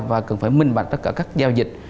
và cần phải minh bạch tất cả các giao dịch